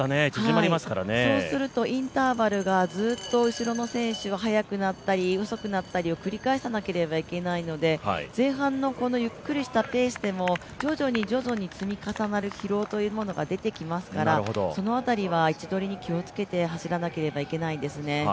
そうするとインターバルがずっと後ろの選手は速くなったり遅くなったりを繰り返さなければいけないので前半のゆったりしたペースでも徐々に徐々に積み重なる疲労というのが出てきますから、その辺りは位置取りに気をつけて走らなければいけないですね。